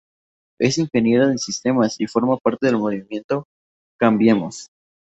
Es ingeniera en sistemas y forma parte del movimiento Cambiemos.